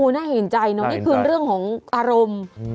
น่าเห็นใจเนอะนี่คือเรื่องของอารมณ์